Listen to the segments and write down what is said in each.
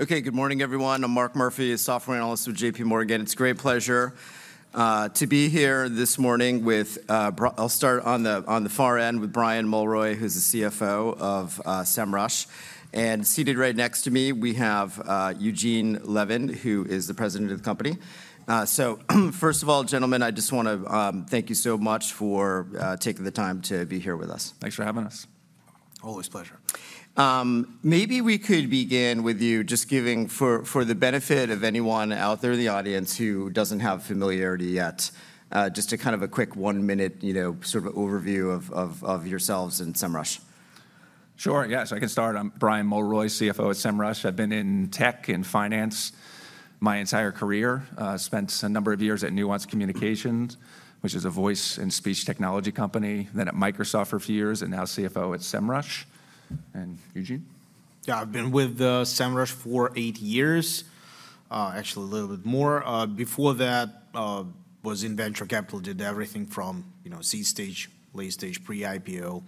Okay, good morning, everyone. I'm Mark Murphy, a software analyst with J.P. Morgan. It's a great pleasure to be here this morning with, I'll start on the, on the far end with Brian Mulroy, who's the CFO of Semrush. And seated right next to me, we have Eugene Levin, who is the president of the company. So first of all, gentlemen, I just want to thank you so much for taking the time to be here with us. Thanks for having us. Always a pleasure. Maybe we could begin with you just giving, for the benefit of anyone out there in the audience who doesn't have familiarity yet, just a kind of a quick one-minute, you know, sort of overview of yourselves and Semrush. Sure, yeah, so I can start. I'm Brian Mulroy, CFO at Semrush. I've been in tech and finance my entire career. Spent a number of years at Nuance Communications, which is a voice and speech technology company, then at Microsoft for a few years, and now CFO at Semrush. And Eugene? Yeah, I've been with Semrush for eight years. Actually a little bit more. Before that, was in venture capital. Did everything from, you know, seed stage, late stage, pre-IPO.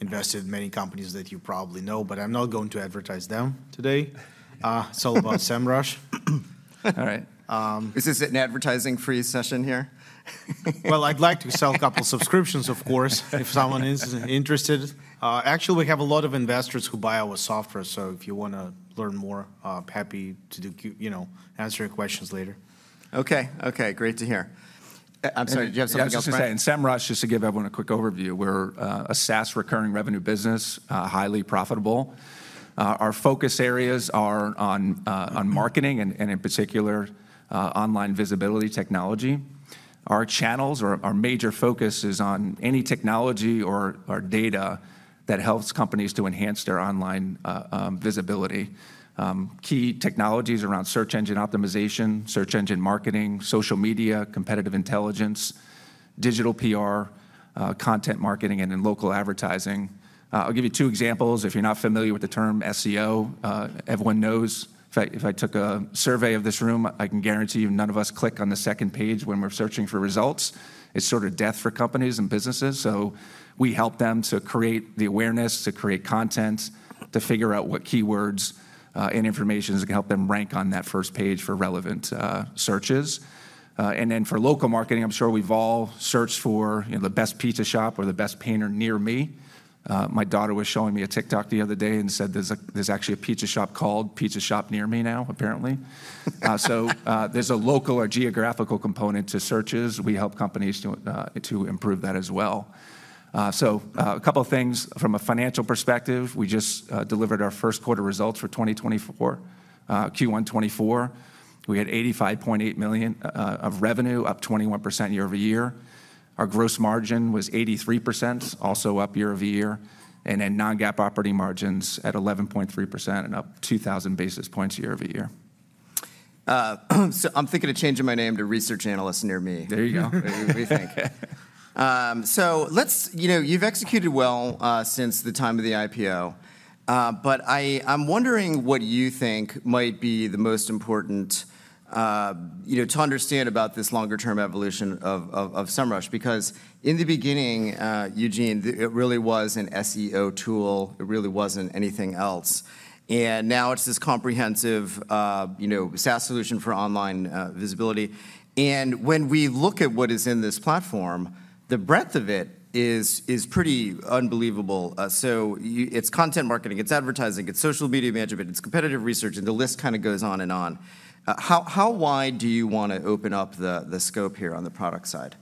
Invested in many companies that you probably know, but I'm not going to advertise them today. It's all about Semrush. All right. This is an advertising-free session here? Well, I'd like to sell a couple subscriptions, of course, if someone is interested. Actually, we have a lot of investors who buy our software, so if you wanna learn more, I'm happy to, you know, answer your questions later. Okay, okay, great to hear. I'm sorry, do you have something else to say? Yeah, I was just gonna say, in Semrush, just to give everyone a quick overview, we're a SaaS recurring revenue business, highly profitable. Our focus areas are on marketing and in particular online visibility technology. Our channels or our major focus is on any technology or data that helps companies to enhance their online visibility. Key technologies around search engine optimization, search engine marketing, social media, competitive intelligence, digital PR, content marketing, and in local advertising. I'll give you two examples. If you're not familiar with the term SEO, everyone knows, if I took a survey of this room, I can guarantee you none of us click on the second page when we're searching for results. It's sort of death for companies and businesses, so we help them to create the awareness, to create content, to figure out what keywords and information is gonna help them rank on that first page for relevant searches. And then for local marketing, I'm sure we've all searched for, you know, the best pizza shop or the best painter near me. My daughter was showing me a TikTok the other day and said there's actually a pizza shop called Pizza Shop Near Me now, apparently. There's a local or geographical component to searches. We help companies to improve that as well. A couple of things from a financial perspective. We just delivered our first quarter results for 2024. Q1 2024, we had $85.8 million of revenue, up 21% year-over-year. Our gross margin was 83%, also up year-over-year, and then non-GAAP operating margins at 11.3% and up 2,000 basis points year-over-year. So, I'm thinking of changing my name to research analyst near me. There you go. What do you think? So let's... You know, you've executed well since the time of the IPO, but I'm wondering what you think might be the most important, you know, to understand about this longer-term evolution of Semrush. Because in the beginning, Eugene, it really was an SEO tool. It really wasn't anything else. And now it's this comprehensive, you know, SaaS solution for online visibility. And when we look at what is in this platform, the breadth of it is pretty unbelievable. So it's content marketing, it's advertising, it's social media management, it's competitive research, and the list kind of goes on and on. How wide do you want to open up the scope here on the product side?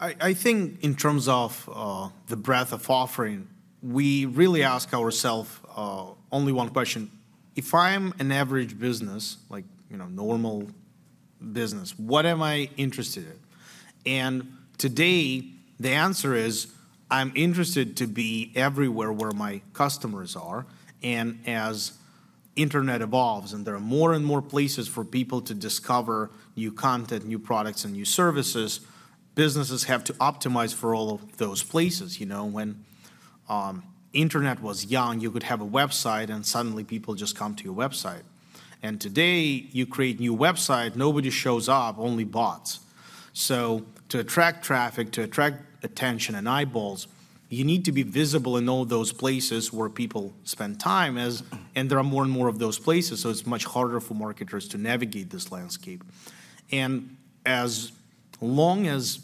I, I think in terms of, the breadth of offering, we really ask ourself, only one question: If I'm an average business, like, you know, normal business, what am I interested in? And today, the answer is, I'm interested to be everywhere where my customers are. And as internet evolves, and there are more and more places for people to discover new content, new products, and new services, businesses have to optimize for all of those places. You know, when, internet was young, you could have a website, and suddenly people just come to your website. And today, you create new website, nobody shows up, only bots. So to attract traffic, to attract attention and eyeballs, you need to be visible in all those places where people spend time as- Mm... and there are more and more of those places, so it's much harder for marketers to navigate this landscape. And as long as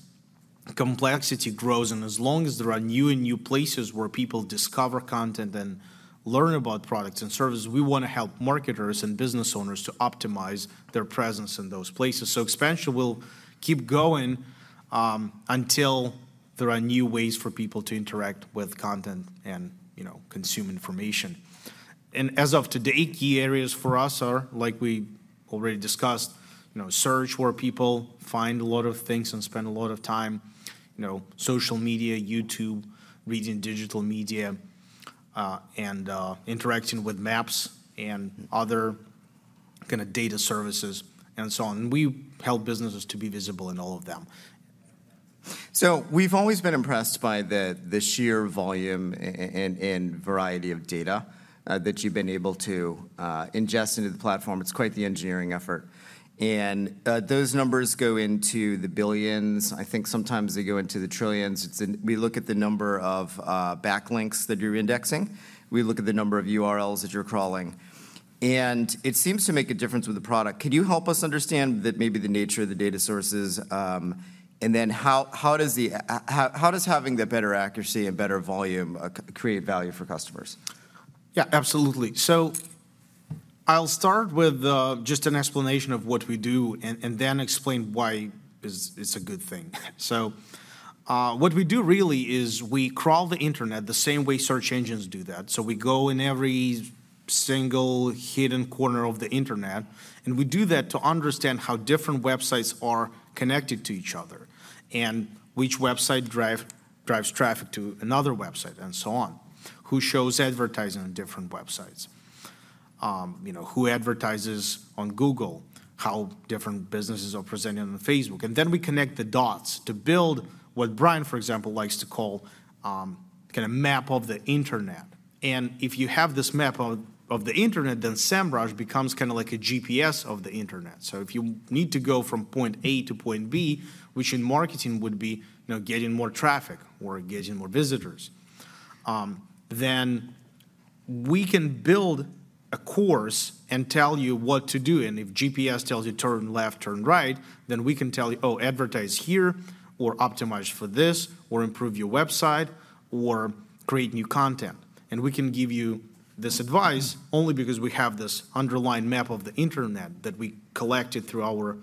complexity grows and as long as there are new and new places where people discover content and learn about products and services, we wanna help marketers and business owners to optimize their presence in those places. So expansion will keep going, until there are new ways for people to interact with content and, you know, consume information. And as of today, key areas for us are, like we already discussed, you know, search, where people find a lot of things and spend a lot of time, you know, social media, YouTube, reading digital media, and, interacting with maps and other kinda data services and so on. We help businesses to be visible in all of them. So we've always been impressed by the sheer volume and variety of data that you've been able to ingest into the platform. It's quite the engineering effort. And those numbers go into the billions. I think sometimes they go into the trillions. We look at the number of backlinks that you're indexing. We look at the number of URLs that you're crawling, and it seems to make a difference with the product. Could you help us understand the nature of the data sources, and then how does having the better accuracy and better volume create value for customers? Yeah, absolutely. So I'll start with just an explanation of what we do and then explain why it's a good thing. So, what we do really is we crawl the internet the same way search engines do that. So we go in every single hidden corner of the internet, and we do that to understand how different websites are connected to each other, and which website drives traffic to another website, and so on. Who shows advertising on different websites? You know, who advertises on Google? How different businesses are presented on Facebook. And then we connect the dots to build what Brian, for example, likes to call kinda map of the internet. And if you have this map of the internet, then Semrush becomes kinda like a GPS of the internet. So if you need to go from point A to point B, which in marketing would be, you know, getting more traffic or getting more visitors, then we can build a course and tell you what to do. And if GPS tells you, "Turn left, turn right," then we can tell you, "Oh, advertise here, or optimize for this, or improve your website, or create new content." And we can give you this advice only because we have this underlying map of the internet that we collected through our,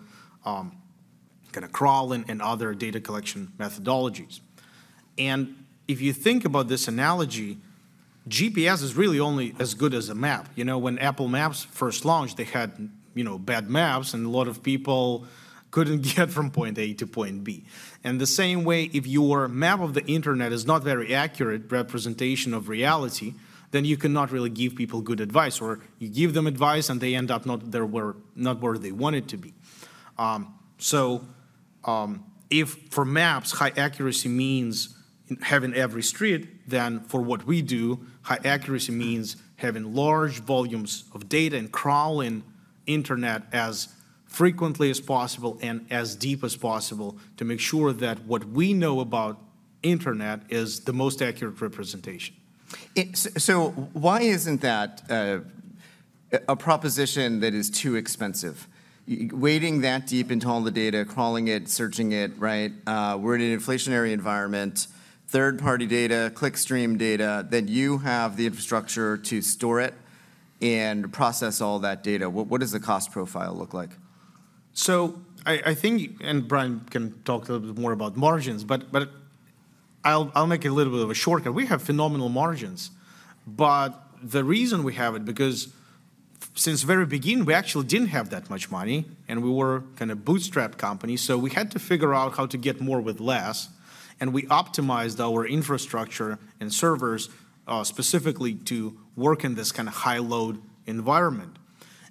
kinda crawling and other data collection methodologies. And if you think about this analogy, GPS is really only as good as a map. You know, when Apple Maps first launched, they had, you know, bad maps, and a lot of people couldn't get from point A to point B. The same way, if your map of the internet is not very accurate representation of reality, then you cannot really give people good advice, or you give them advice and they end up not there where, not where they wanted to be. So, if for maps, high accuracy means having every street, then for what we do, high accuracy means having large volumes of data and crawling internet as frequently as possible and as deep as possible to make sure that what we know about internet is the most accurate representation. Why isn't that a proposition that is too expensive? Why wading that deep into all the data, crawling it, searching it, right? We're in an inflationary environment, third-party data, clickstream data, that you have the infrastructure to store it and process all that data. What does the cost profile look like? So I think, and Brian can talk a little bit more about margins, but I'll make it a little bit of a shortcut. We have phenomenal margins, but the reason we have it is because since the very beginning, we actually didn't have that much money, and we were kind of bootstrap company, so we had to figure out how to get more with less, and we optimized our infrastructure and servers, specifically to work in this kinda high-load environment.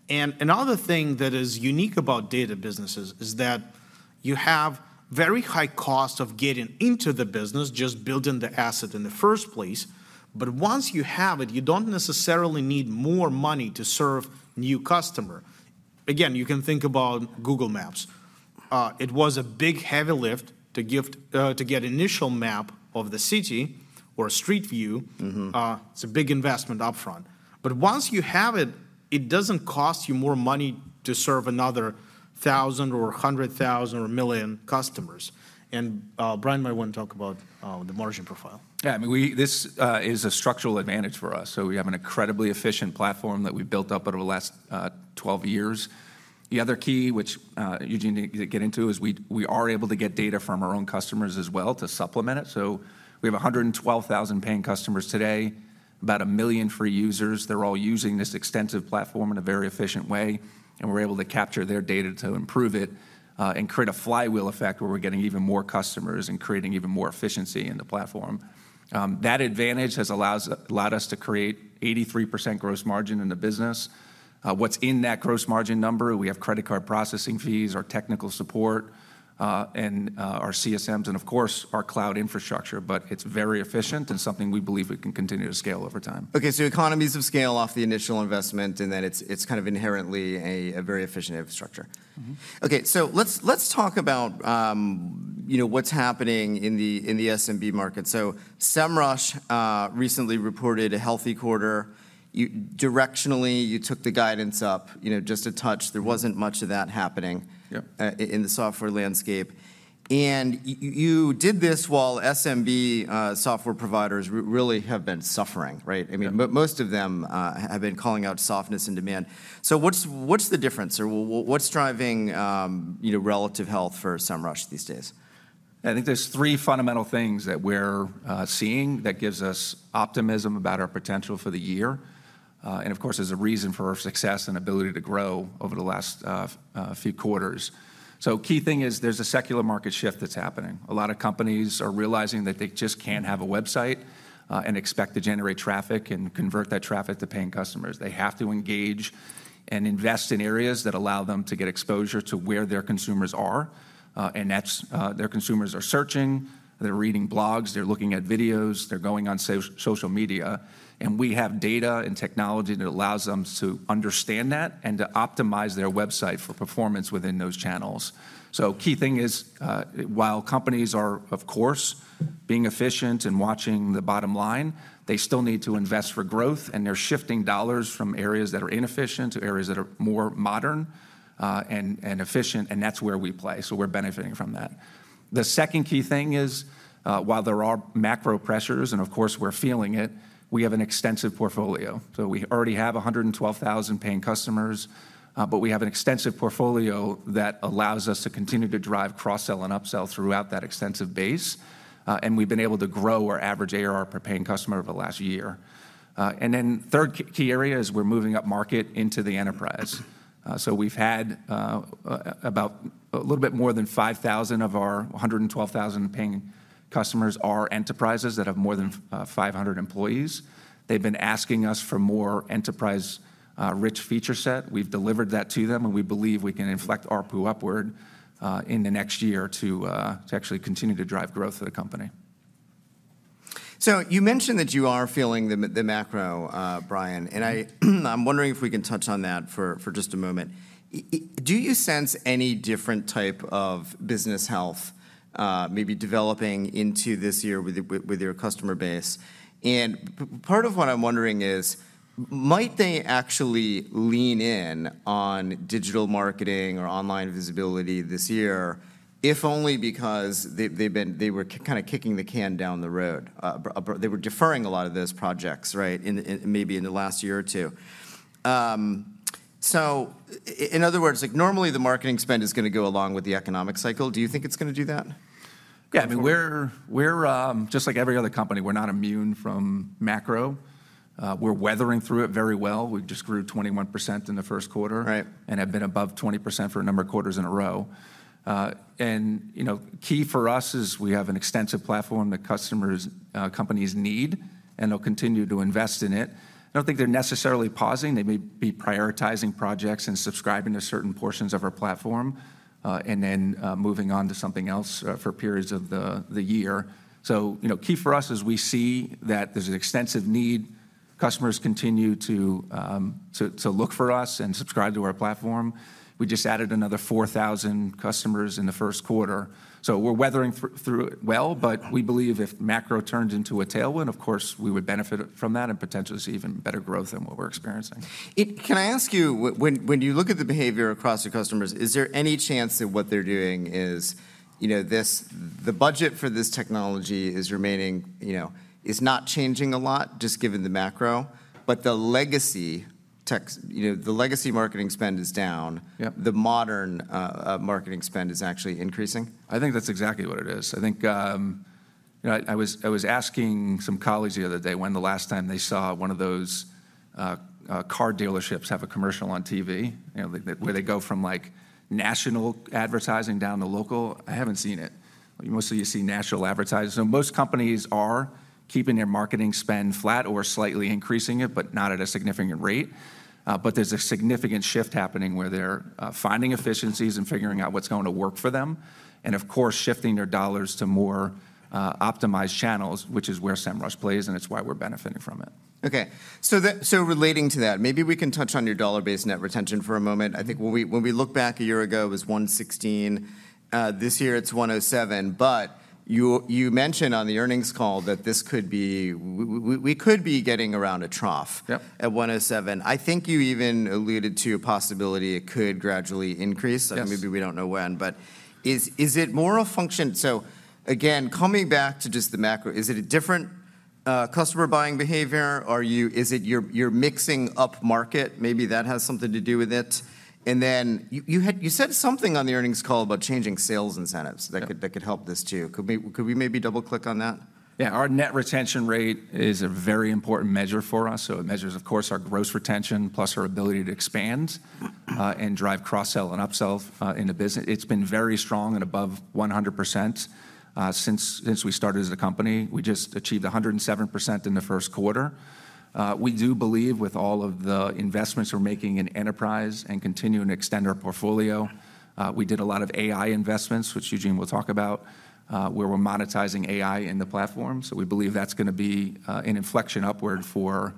And another thing that is unique about data businesses is that you have very high cost of getting into the business, just building the asset in the first place, but once you have it, you don't necessarily need more money to serve new customer. Again, you can think about Google Maps. It was a big heavy lift to give, to get initial map of the city or Street View. Mm-hmm. It's a big investment upfront. But once you have it, it doesn't cost you more money to serve another 1,000, or 100,000, or 1,000,000 customers. And, Brian might want to talk about, the margin profile. Yeah, I mean, we, this is a structural advantage for us, so we have an incredibly efficient platform that we've built up over the last 12 years. The other key, which Eugene didn't get into, is we are able to get data from our own customers as well to supplement it. So we have 112,000 paying customers today, about 1 million free users. They're all using this extensive platform in a very efficient way, and we're able to capture their data to improve it and create a flywheel effect, where we're getting even more customers and creating even more efficiency in the platform. That advantage has allows, allowed us to create 83% gross margin in the business. What's in that gross margin number? We have credit card processing fees, our technical support, and our CSMs, and of course, our cloud infrastructure, but it's very efficient and something we believe we can continue to scale over time. Okay, so economies of scale off the initial investment, and then it's kind of inherently a very efficient infrastructure. Mm-hmm. Okay, so let's talk about, you know, what's happening in the, in the SMB market. So Semrush recently reported a healthy quarter. You, directionally, you took the guidance up, you know, just a touch. There wasn't much of that happening- Yep ... in the software landscape. And you did this while SMB software providers really have been suffering, right? Yep. I mean, most of them have been calling out softness and demand. So what's the difference, or what's driving, you know, relative health for Semrush these days? I think there's three fundamental things that we're seeing that gives us optimism about our potential for the year, and of course, there's a reason for our success and ability to grow over the last few quarters. So key thing is, there's a secular market shift that's happening. A lot of companies are realizing that they just can't have a website, and expect to generate traffic and convert that traffic to paying customers. They have to engage and invest in areas that allow them to get exposure to where their consumers are, and that's, their consumers are searching, they're reading blogs, they're looking at videos, they're going on social media, and we have data and technology that allows them to understand that and to optimize their website for performance within those channels. So key thing is, while companies are, of course, being efficient and watching the bottom line, they still need to invest for growth, and they're shifting dollars from areas that are inefficient to areas that are more modern, and efficient, and that's where we play, so we're benefiting from that. The second key thing is, while there are macro pressures, and of course, we're feeling it, we have an extensive portfolio. So we already have 112,000 paying customers, but we have an extensive portfolio that allows us to continue to drive cross-sell and upsell throughout that extensive base. And we've been able to grow our average ARR per paying customer over the last year. And then third key area is we're moving up market into the enterprise. So we've had about a little bit more than 5,000 of our 112,000 paying customers are enterprises that have more than 500 employees. They've been asking us for more enterprise rich feature set. We've delivered that to them, and we believe we can inflect ARPU upward in the next year to actually continue to drive growth for the company. So you mentioned that you are feeling the macro, Brian, and I'm wondering if we can touch on that for just a moment. Do you sense any different type of business health, maybe developing into this year with your customer base? Part of what I'm wondering is, might they actually lean in on digital marketing or online visibility this year, if only because they were kind of kicking the can down the road? They were deferring a lot of those projects, right, in maybe in the last year or two. So in other words, like, normally, the marketing spend is going to go along with the economic cycle. Do you think it's going to do that? Yeah, I mean, we're just like every other company, we're not immune from macro. We're weathering through it very well. We just grew 21% in the first quarter- Right... and have been above 20% for a number of quarters in a row. And, you know, key for us is we have an extensive platform that customers, companies need, and they'll continue to invest in it. I don't think they're necessarily pausing. They may be prioritizing projects and subscribing to certain portions of our platform, and then, moving on to something else, for periods of the year. So, you know, key for us is we see that there's an extensive need. Customers continue to look for us and subscribe to our platform. We just added another 4,000 customers in the first quarter, so we're weathering through it well. But we believe if macro turns into a tailwind, of course, we would benefit from that and potentially see even better growth than what we're experiencing. Can I ask you, when you look at the behavior across your customers, is there any chance that what they're doing is, you know, the budget for this technology is remaining, you know, is not changing a lot, just given the macro, but the legacy tech, you know, the legacy marketing spend is down- Yep... the modern marketing spend is actually increasing? I think that's exactly what it is. I think, you know, I was asking some colleagues the other day when the last time they saw one of those car dealerships have a commercial on TV, you know, where they go from, like, national advertising down to local. I haven't seen it. Mostly, you see national advertising. So most companies are keeping their marketing spend flat or slightly increasing it, but not at a significant rate. But there's a significant shift happening, where they're finding efficiencies and figuring out what's going to work for them and, of course, shifting their dollars to more optimized channels, which is where Semrush plays, and it's why we're benefiting from it. Okay, so relating to that, maybe we can touch on your dollar-based net retention for a moment. I think when we look back a year ago, it was 116%, this year it's 107%. But you mentioned on the earnings call that this could be... we could be getting around a trough- Yep... at 107%. I think you even alluded to a possibility it could gradually increase. Yes. Maybe we don't know when, but is it more a function—so again, coming back to just the macro, is it a different customer buying behavior? Or is it you're mixing upmarket, maybe that has something to do with it? And then you had said something on the earnings call about changing sales incentives- Yep... that could help this too. Could we maybe double-click on that? Yeah. Our net retention rate is a very important measure for us. So it measures, of course, our gross retention, plus our ability to expand, and drive cross-sell and upsell, in the business. It's been very strong and above 100%, since we started as a company. We just achieved 107% in the first quarter. We do believe with all of the investments we're making in enterprise and continue to extend our portfolio, we did a lot of AI investments, which Eugene will talk about, where we're monetizing AI in the platform. So we believe that's going to be an inflection upward for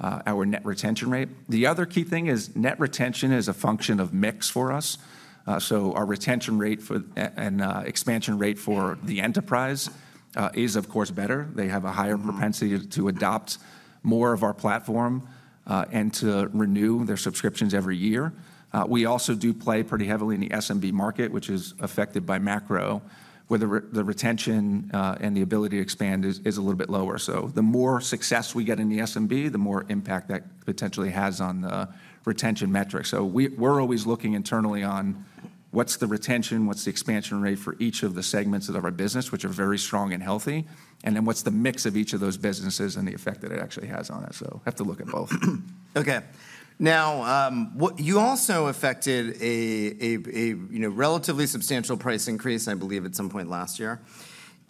our net retention rate. The other key thing is net retention is a function of mix for us. So our retention rate and expansion rate for the enterprise is of course better. They have a higher propensity to adopt more of our platform and to renew their subscriptions every year. We also do play pretty heavily in the SMB market, which is affected by macro, where the retention and the ability to expand is a little bit lower. So the more success we get in the SMB, the more impact that potentially has on the retention metrics. So we're always looking internally on: What's the retention? What's the expansion rate for each of the segments of our business, which are very strong and healthy? And then what's the mix of each of those businesses and the effect that it actually has on it? So have to look at both. Okay. Now, you also effected a, you know, relatively substantial price increase, I believe, at some point last year.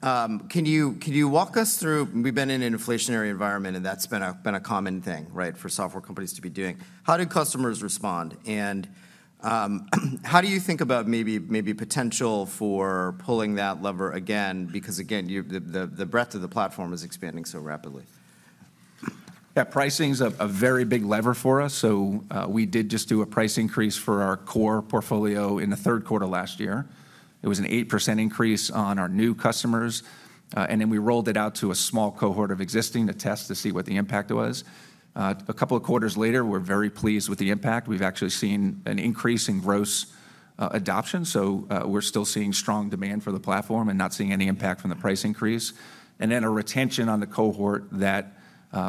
Can you walk us through... We've been in an inflationary environment, and that's been a common thing, right, for software companies to be doing. How do customers respond, and how do you think about maybe potential for pulling that lever again? Because, again, the breadth of the platform is expanding so rapidly. Yeah. Pricing's a very big lever for us, so we did just do a price increase for our core portfolio in the third quarter last year. It was an 8% increase on our new customers, and then we rolled it out to a small cohort of existing to test to see what the impact was. A couple of quarters later, we're very pleased with the impact. We've actually seen an increase in gross adoption. So, we're still seeing strong demand for the platform and not seeing any impact from the price increase. And then a retention on the cohort that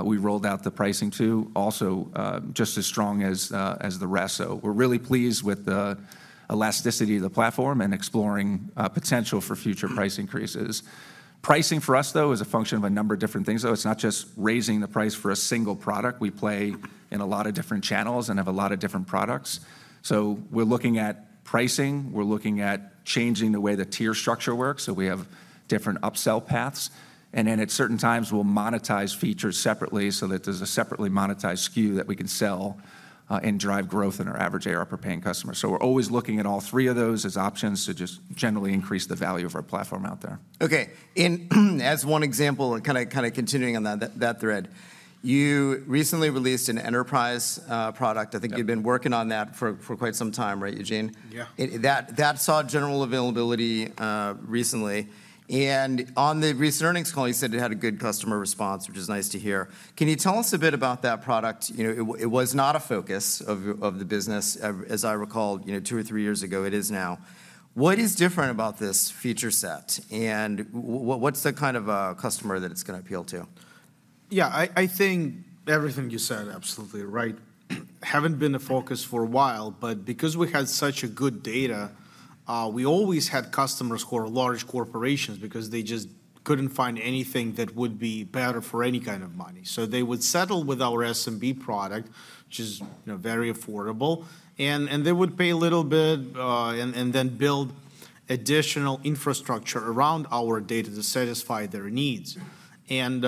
we rolled out the pricing to, also just as strong as as the rest. So we're really pleased with the elasticity of the platform and exploring potential for future price increases. Pricing for us, though, is a function of a number of different things, though. It's not just raising the price for a single product. We play in a lot of different channels and have a lot of different products. So we're looking at pricing, we're looking at changing the way the tier structure works, so we have different upsell paths. And then at certain times, we'll monetize features separately so that there's a separately monetized SKU that we can sell, and drive growth in our average AR per paying customer. So we're always looking at all three of those as options to just generally increase the value of our platform out there. Okay. In, as one example, and kinda continuing on that thread, you recently released an enterprise product. Yeah. I think you've been working on that for quite some time, right, Eugene? Yeah. That that saw general availability recently, and on the recent earnings call, you said it had a good customer response, which is nice to hear. Can you tell us a bit about that product? You know, it was not a focus of the business, even as I recall, you know, two or three years ago. It is now. What is different about this feature set, and what's the kind of customer that it's gonna appeal to? Yeah, I think everything you said, absolutely right. Haven't been a focus for a while, but because we had such a good data, we always had customers who are large corporations because they just couldn't find anything that would be better for any kind of money. So they would settle with our SMB product, which is, you know, very affordable, and they would pay a little bit, and then build additional infrastructure around our data to satisfy their needs. And,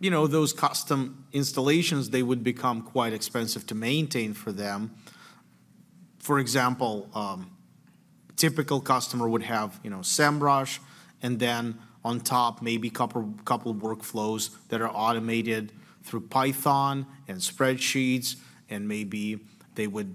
you know, those custom installations, they would become quite expensive to maintain for them. For example, typical customer would have, you know, Semrush, and then on top, maybe couple, couple workflows that are automated through Python and spreadsheets, and maybe they would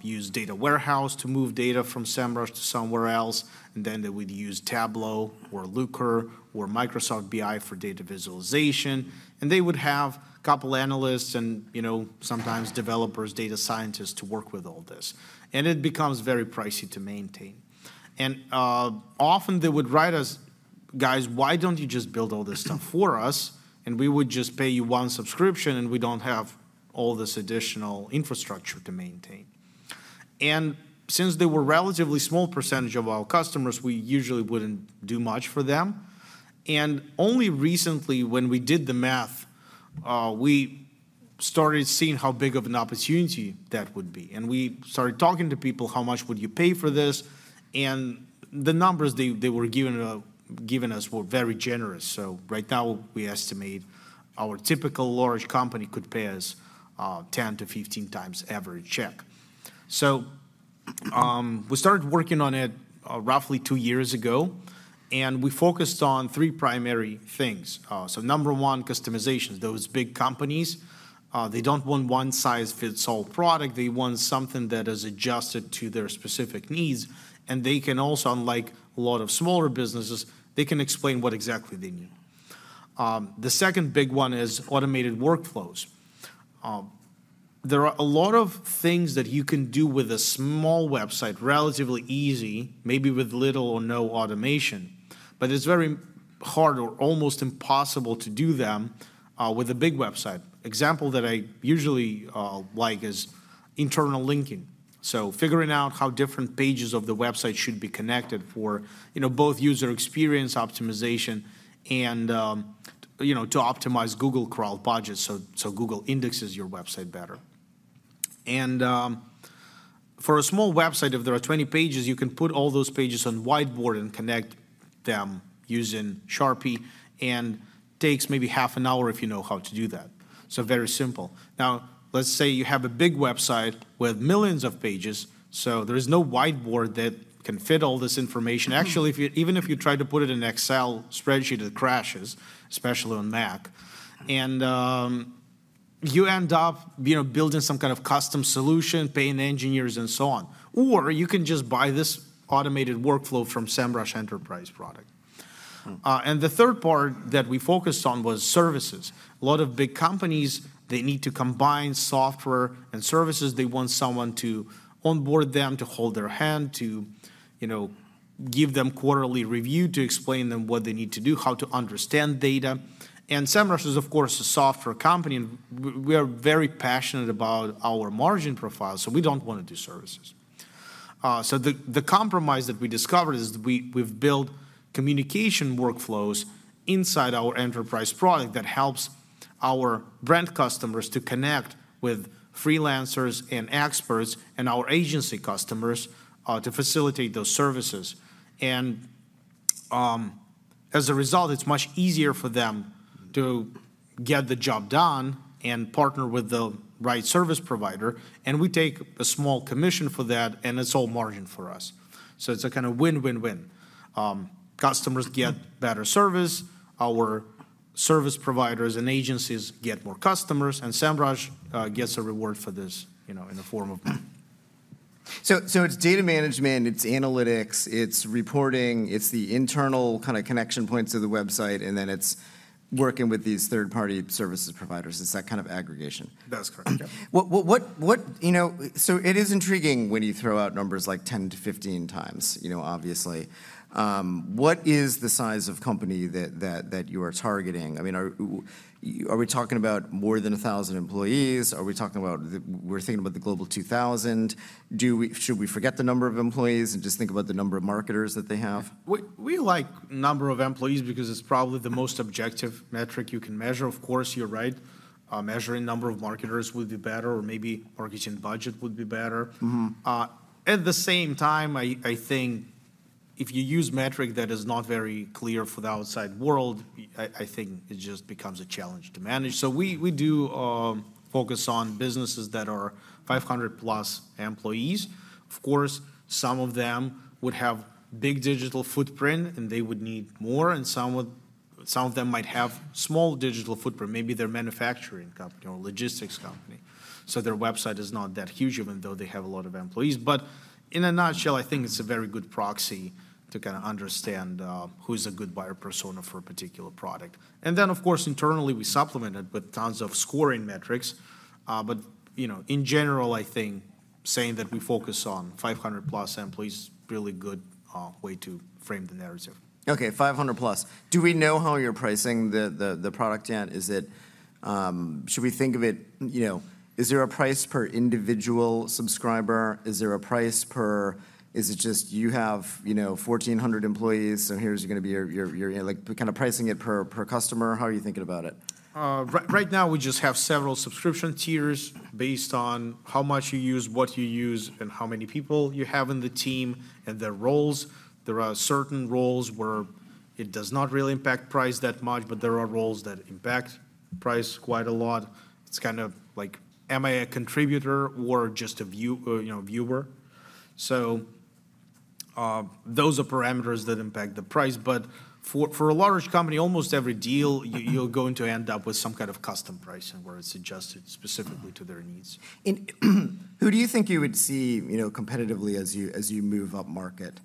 use data warehouse to move data from Semrush to somewhere else, and then they would use Tableau or Looker or Microsoft BI for data visualization. And they would have a couple analysts and, you know, sometimes developers, data scientists to work with all this, and it becomes very pricey to maintain. And often they would write us, "Guys, why don't you just build all this stuff for us, and we would just pay you one subscription, and we don't have all this additional infrastructure to maintain?" And since they were relatively small percentage of our customers, we usually wouldn't do much for them. Only recently, when we did the math, we started seeing how big of an opportunity that would be, and we started talking to people, "How much would you pay for this?" The numbers they, they were giving us were very generous. Right now, we estimate our typical large company could pay us 10x-15x average check. We started working on it roughly two years ago, and we focused on three primary things. Number one, customization. Those big companies, they don't want one-size-fits-all product. They want something that is adjusted to their specific needs, and they can also, unlike a lot of smaller businesses, they can explain what exactly they need. The second big one is automated workflows. There are a lot of things that you can do with a small website, relatively easy, maybe with little or no automation, but it's very hard or almost impossible to do them with a big website. Example that I usually like is internal linking, so figuring out how different pages of the website should be connected for, you know, both user experience optimization and you know, to optimize Google crawl budget, so Google indexes your website better. For a small website, if there are 20 pages, you can put all those pages on whiteboard and connect them using Sharpie, and takes maybe half an hour if you know how to do that, so very simple. Now, let's say you have a big website with millions of pages, so there is no whiteboard that can fit all this information. Actually, even if you try to put it in Excel spreadsheet, it crashes, especially on Mac, and you end up, you know, building some kind of custom solution, paying engineers, and so on. Or you can just buy this automated workflow from Semrush Enterprise product. Hmm. And the third part that we focused on was services. A lot of big companies, they need to combine software and services. They want someone to onboard them, to hold their hand, to, you know, give them quarterly review, to explain them what they need to do, how to understand data. And Semrush is, of course, a software company, and we are very passionate about our margin profile, so we don't wanna do services. So the compromise that we discovered is we've built communication workflows inside our enterprise product that helps our brand customers to connect with freelancers and experts and our agency customers to facilitate those services. And as a result, it's much easier for them to get the job done and partner with the right service provider, and we take a small commission for that, and it's all margin for us. So it's a kind of win-win-win. Customers get better service, our service providers and agencies get more customers, and Semrush gets a reward for this, you know, in the form of... So, it's data management, it's analytics, it's reporting, it's the internal kind of connection points of the website, and then it's working with these third-party service providers, it's that kind of aggregation? That's correct. Okay. You know, so it is intriguing when you throw out numbers like 10x-15x, you know, obviously. What is the size of company that you are targeting? I mean, are we talking about more than 1,000 employees? Are we talking about we're thinking about the Global 2000? Should we forget the number of employees, and just think about the number of marketers that they have? We like number of employees because it's probably the most objective metric you can measure. Of course, you're right, measuring number of marketers would be better, or maybe marketing budget would be better. Mm-hmm. At the same time, I think if you use metric that is not very clear for the outside world, I think it just becomes a challenge to manage. So we do focus on businesses that are 500+ employees. Of course, some of them would have big digital footprint, and they would need more, and some of them might have small digital footprint. Maybe they're a manufacturing company or a logistics company, so their website is not that huge, even though they have a lot of employees. But in a nutshell, I think it's a very good proxy to kind of understand who's a good buyer persona for a particular product. And then, of course, internally, we supplement it with tons of scoring metrics. You know, in general, I think saying that we focus on 500+ employees is a really good way to frame the narrative. Okay, 500+. Do we know how you're pricing the product yet? Is it... Should we think of it, you know, is there a price per individual subscriber? Is there a price per... Is it just you have, you know, 1,400 employees, and here's gonna be your, like, we're kind of pricing it per customer? How are you thinking about it? Right, right now, we just have several subscription tiers based on how much you use, what you use, and how many people you have on the team, and their roles. There are certain roles where it does not really impact price that much, but there are roles that impact price quite a lot. It's kind of like, am I a contributor or just a, you know, viewer? So, those are parameters that impact the price. But for, for a large company, almost every deal, you, you're going to end up with some kind of custom pricing, where it's adjusted specifically to their needs. And who do you think you would see, you know, competitively as you move upmarket?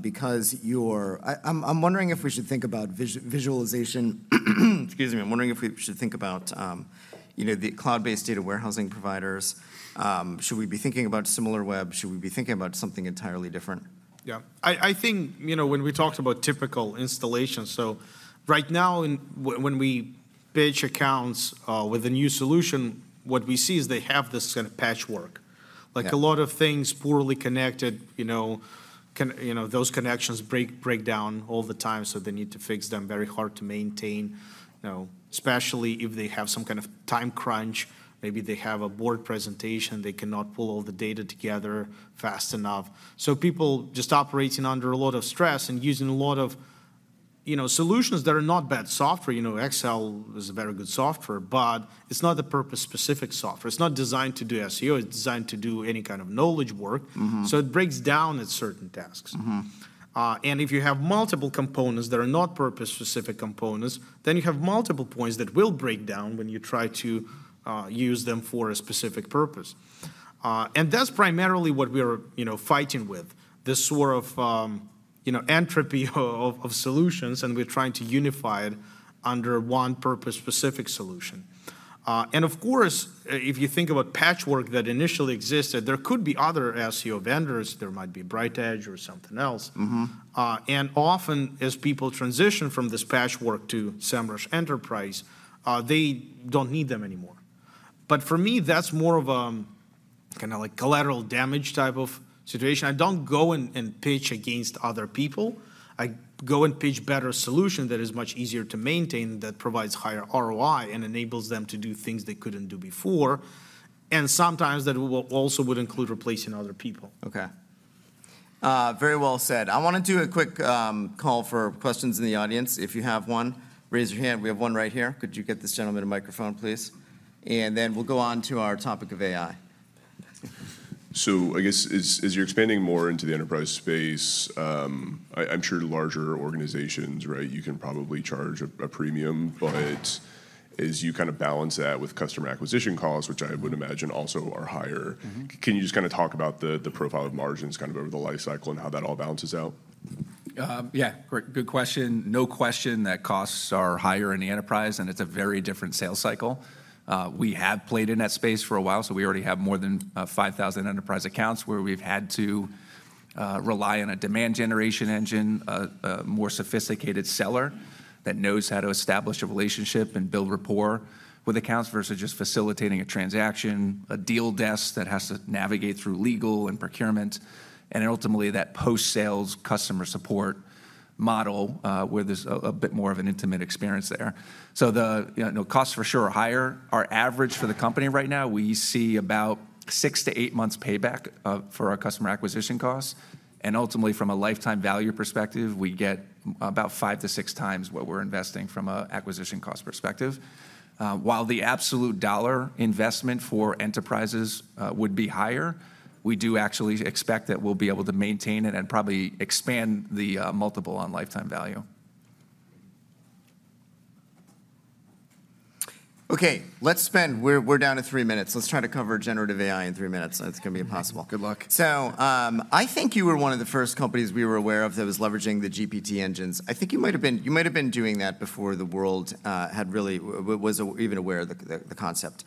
Because you're wondering if we should think about visualization. Excuse me. I'm wondering if we should think about, you know, the cloud-based data warehousing providers. Should we be thinking about Similarweb? Should we be thinking about something entirely different? Yeah. I think, you know, when we talked about typical installations, so right now, when we pitch accounts with a new solution, what we see is they have this kind of patchwork. Yeah. Like, a lot of things poorly connected, you know, those connections break down all the time, so they need to fix them. Very hard to maintain, you know, especially if they have some kind of time crunch. Maybe they have a board presentation; they cannot pull all the data together fast enough. So people just operating under a lot of stress and using a lot of, you know, solutions that are not bad software. You know, Excel is a very good software, but it's not a purpose-specific software. It's not designed to do SEO; it's designed to do any kind of knowledge work. Mm-hmm. It breaks down at certain tasks. Mm-hmm. If you have multiple components that are not purpose-specific components, then you have multiple points that will break down when you try to use them for a specific purpose. That's primarily what we are, you know, fighting with, this sort of, you know, entropy of solutions, and we're trying to unify it under one purpose-specific solution. Of course, if you think about patchwork that initially existed, there could be other SEO vendors. There might be a BrightEdge or something else. Mm-hmm. And often, as people transition from this patchwork to Semrush Enterprise, they don't need them anymore. But for me, that's more of kind of like collateral damage type of situation. I don't go and pitch against other people. I go and pitch better solution that is much easier to maintain, that provides higher ROI and enables them to do things they couldn't do before, and sometimes that will also would include replacing other people. Okay. Very well said. I wanna do a quick call for questions in the audience. If you have one, raise your hand. We have one right here. Could you get this gentleman a microphone, please? And then we'll go on to our topic of AI. So I guess as you're expanding more into the enterprise space, I'm sure larger organizations, right, you can probably charge a premium. But as you kind of balance that with customer acquisition costs, which I would imagine also are higher- Mm-hmm. Can you just kind of talk about the profile of margins kind of over the life cycle and how that all balances out? Yeah. Great, good question. No question that costs are higher in the enterprise, and it's a very different sales cycle. We have played in that space for a while, so we already have more than 5,000 enterprise accounts where we've had to rely on a demand generation engine, a more sophisticated seller that knows how to establish a relationship and build rapport with accounts, versus just facilitating a transaction, a deal desk that has to navigate through legal and procurement, and ultimately, that post-sales customer support model, where there's a bit more of an intimate experience there. So the, you know, costs for sure are higher. Our average for the company right now, we see about six to eight months' payback for our customer acquisition costs. Ultimately, from a lifetime value perspective, we get about 5x-6x what we're investing from a acquisition cost perspective. While the absolute dollar investment for enterprises would be higher, we do actually expect that we'll be able to maintain it and probably expand the multiple on lifetime value. ... Okay, let's spend. We're down to three minutes. Let's try to cover generative AI in three minutes, and it's gonna be impossible. Good luck. So, I think you were one of the first companies we were aware of that was leveraging the GPT engines. I think you might have been doing that before the world had really was even aware of the concept.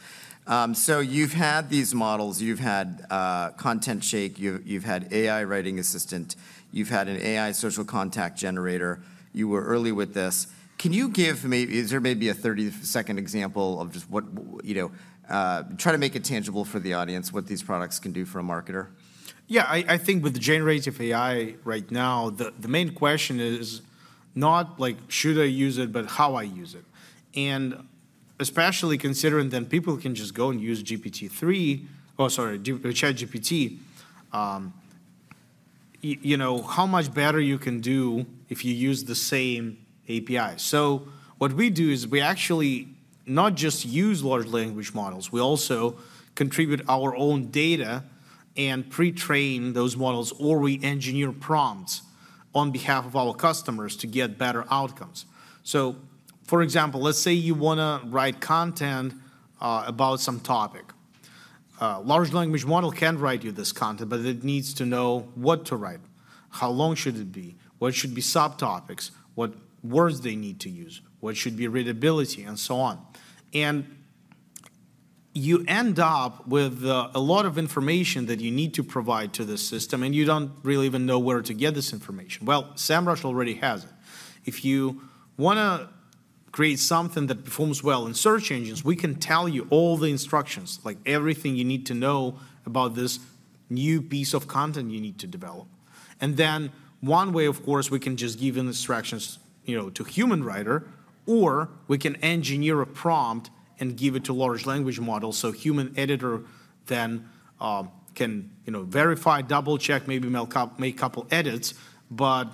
So you've had these models, you've had ContentShake, you've had AI Writing Assistant, you've had an AI Social Content Generator. You were early with this. Can you give maybe a 30-second example of just what you know, try to make it tangible for the audience, what these products can do for a marketer? Yeah, I think with the generative AI right now, the main question is not, like, should I use it, but how I use it. And especially considering that people can just go and use ChatGPT, you know, how much better you can do if you use the same API. So what we do is we actually not just use large language models, we also contribute our own data and pre-train those models, or we engineer prompts on behalf of our customers to get better outcomes. So, for example, let's say you wanna write content about some topic. A large language model can write you this content, but it needs to know what to write, how long should it be, what should be subtopics, what words they need to use, what should be readability, and so on. And you end up with a lot of information that you need to provide to the system, and you don't really even know where to get this information. Well, Semrush already has it. If you wanna create something that performs well in search engines, we can tell you all the instructions, like everything you need to know about this new piece of content you need to develop. And then one way, of course, we can just give instructions, you know, to human writer, or we can engineer a prompt and give it to large language model, so human editor then can, you know, verify, double-check, maybe make couple edits, but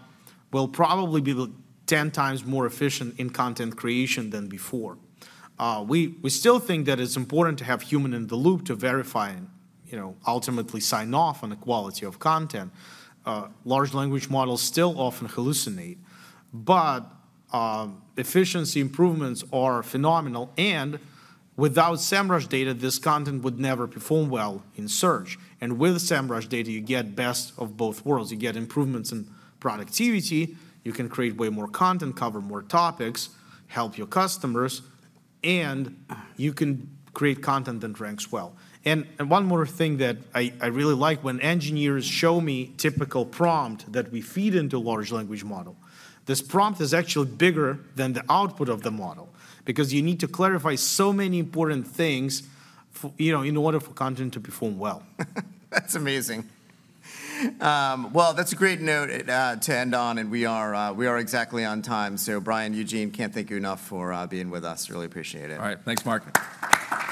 will probably be the 10 times more efficient in content creation than before. We still think that it's important to have human in the loop to verify and, you know, ultimately sign off on the quality of content. Large language models still often hallucinate, but efficiency improvements are phenomenal, and without Semrush data, this content would never perform well in search. And with Semrush data, you get best of both worlds. You get improvements in productivity, you can create way more content, cover more topics, help your customers, and you can create content that ranks well. And one more thing that I really like when engineers show me typical prompt that we feed into large language model. This prompt is actually bigger than the output of the model because you need to clarify so many important things, you know, in order for content to perform well. That's amazing. Well, that's a great note to end on, and we are exactly on time. So Brian, Eugene, can't thank you enough for being with us. Really appreciate it. All right. Thanks, Mark.